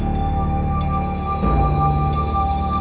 sampai jumpa lagi